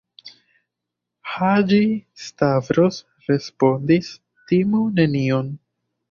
Haĝi-Stavros respondis: Timu nenion.